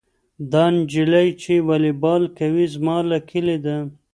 دا نجلۍ چې والیبال کوي زما له کلي ده.